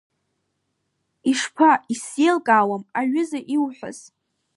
Ишԥа, исзеилкаауам, аҩыза, иуҳәаз…